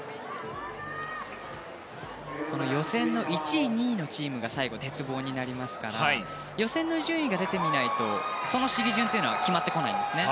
予選の１位、２位のチームが最後、鉄棒になりますから予選の順位が出てみないとその試技順は決まってこないんですね。